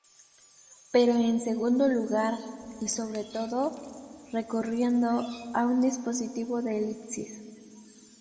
Pero en segundo lugar, y sobre todo, recurriendo a un dispositivo de elipsis.